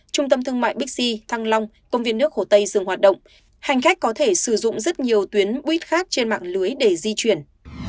trung tâm thương mại bixi thăng long công viên nước hồ tây dừng hoạt động hành khách có thể sử dụng rất nhiều tuyến buýt khác trên mạng lưới để di chuyển